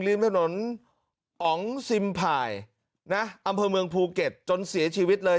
ริมถนนอ๋องซิมผ่ายนะอำเภอเมืองภูเก็ตจนเสียชีวิตเลย